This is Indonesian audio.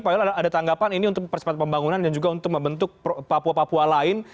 pak will ada tanggapan ini untuk percepat pembangunan dan juga untuk membentuk papua papua lain